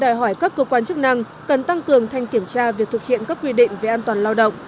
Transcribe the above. đòi hỏi các cơ quan chức năng cần tăng cường thanh kiểm tra việc thực hiện các quy định về an toàn lao động